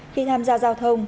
khi tham gia giao thông